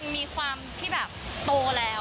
มีความที่แบบโตแล้ว